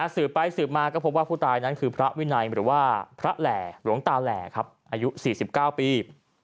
สืบไปสืบมาก็พบว่าผู้ตายนั้นคือพระวินัยหรือว่าพระแหล่หลวงตาแหล่ครับอายุ๔๙ปี